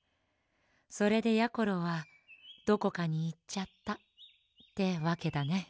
それでやころはどこかにいっちゃったってわけだね。